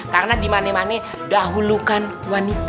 karena dimane maneh dahulukan wanita